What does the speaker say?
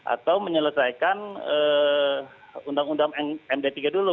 atau menyelesaikan undang undang md tiga dulu